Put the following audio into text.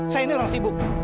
saya ini orang sibuk